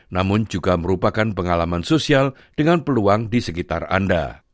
namun juga merupakan pengalaman sosial dengan peluang di sekitar anda